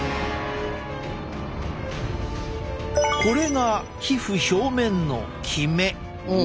これが皮膚表面のキメ。